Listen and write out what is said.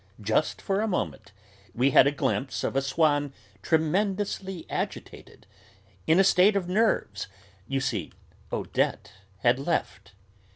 "Just for a moment. We had a glimpse of a Swann tremendously agitated. In a state of nerves. You see, Odette had left."